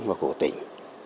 và của tỉnh